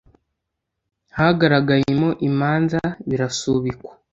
hagaragayemo imanza, birasubikwa.